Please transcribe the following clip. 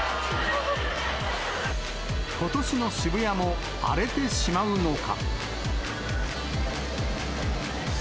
ことしの渋谷も荒れてしまうのか。